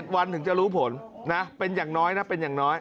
วันถึงจะรู้ผลนะเป็นอย่างน้อยนะเป็นอย่างน้อย